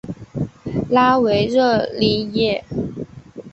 拉维热里耶。